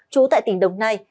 trú tại tỉnh đồng nai